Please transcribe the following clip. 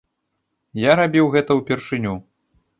Я рабіў гэта ўпершыню.